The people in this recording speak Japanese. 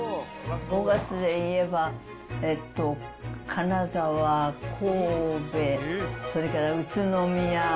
５月で言えば、金沢、神戸、それから宇都宮。